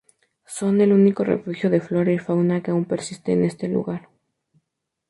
Son el único refugio de flora y fauna que aun persiste en este lugar.